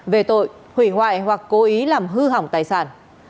về tội hủy hoại hoặc cố ý làm hư hỏng tài sản